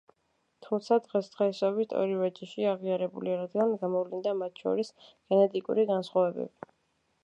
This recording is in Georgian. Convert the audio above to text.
თუმცა დღესდღეობით ორივე ჯიში აღიარებულია, რადგან გამოვლინდა მათ შორის გენეტიკური განსხვავებები.